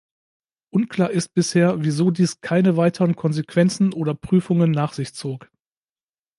Unklar ist bisher, wieso dies keine weiteren Konsequenzen oder Prüfungen nach sich zog.